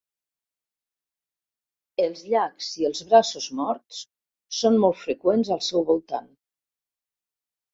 Els llacs i els braços morts són molt freqüents al seu voltant.